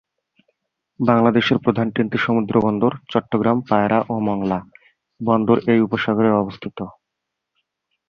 বাংলাদেশের প্রধান তিনটি সমুদ্রবন্দর চট্টগ্রাম, পায়রা ও মংলা বন্দর এই উপসাগরে অবস্থিত।